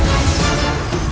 dan itu adalah